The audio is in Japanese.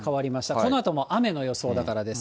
このあとも雨の予想だからです。